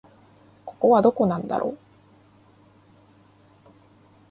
ここはどこなんだろう